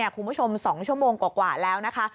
คุณผู้ชม๒ชั่วโมงกว่าแล้วนะคะ